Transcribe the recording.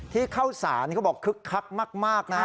ที่เข้าสารเขาบอกคึกคักมากนะ